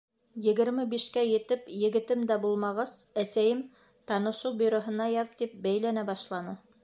Егерме бишкә етеп егетем дә булмағас, әсәйем, танышыу бюроһына яҙ, тип бәйләнә башланы.